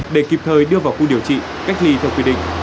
để kịp thời đưa vào khu điều trị cách ly theo quy định